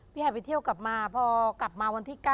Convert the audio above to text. หายไปเที่ยวกลับมาพอกลับมาวันที่๙